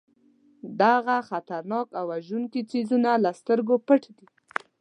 دغه خطرناک او وژونکي څیزونه له سترګو پټ دي.